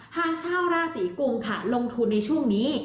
หากชาวราศีกุมค่ะลงทุนในช่วงนี้